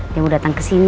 dia mau datang ke sini